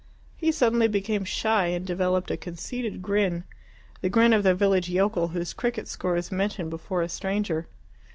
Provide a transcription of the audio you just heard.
He suddenly became shy and developed a conceited grin the grin of the village yokel whose cricket score is mentioned before a stranger.